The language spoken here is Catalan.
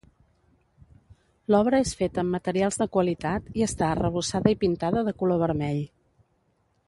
L'obra és feta amb materials de qualitat i està arrebossada i pintada de color vermell.